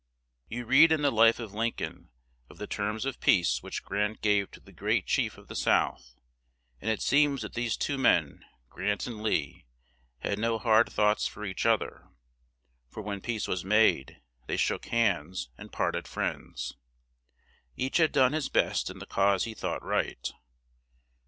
You read in the life of Lin coln, of the terms of peace which Grant gave to the great chief of the South; and it seems that these two men, Grant and Lee, had no hard thoughts for each other; for when peace was made, they shook hands, and part ed friends. Each had done his best in the cause he thought right.